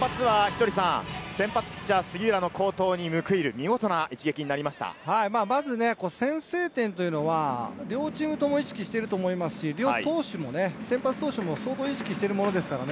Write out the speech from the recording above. この一発は稀哲さん、先発ピッチャー・杉浦の好投に報いる、まず先制点というのは、両チームとも意識してると思いますし、両投手の先発投手も相当意識してるものですからね。